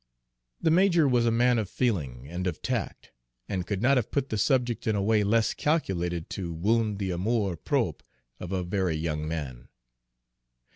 The major was a man of feeling and of tact, and could not have put the subject in a way less calculated to wound the amour propre of a very young man.